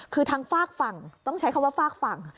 คือทางฝากฝั่งต้องใช้คำว่าฝากฝั่ง